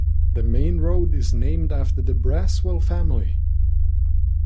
The main road is named after the Braswell family.